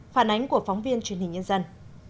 phản ánh của phóng viên truyền hình nhân dân